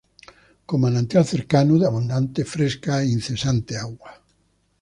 Con manantial cercano, de abundante, fresca, e incesante agua.